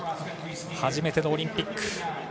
初めてのオリンピック。